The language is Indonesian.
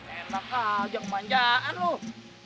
enak aja kemanjaan loh